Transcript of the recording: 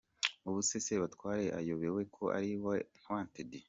Ubu se Sebatware ayobewe ko ari Wanted !